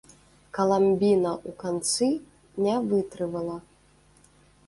Каламбіна ў канцы не вытрывала.